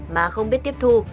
mà không biết tiếp thu